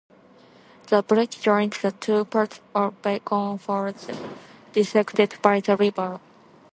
The bridge joins the two parts of Beacon Falls bisected by the river.